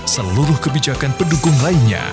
seluruh kebijakan pendukung lainnya